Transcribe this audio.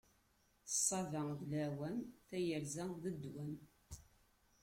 Ṣṣaba d leɛwam, tayerza d ddwam.